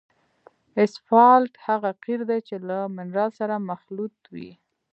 اسفالټ هغه قیر دی چې له منرال سره مخلوط وي